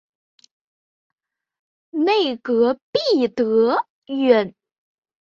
他曾任袁世凯内阁弼德院顾问大臣。